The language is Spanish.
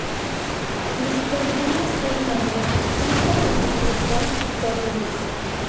Los programas del canal son producidos por Torneos.